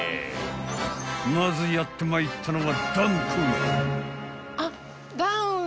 ［まずやってまいったのは］